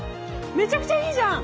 めちゃくちゃいいじゃん。